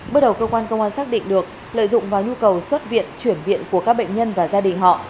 bước đầu cơ quan công an xác định được lợi dụng vào nhu cầu xuất viện chuyển viện của các bệnh nhân và gia đình họ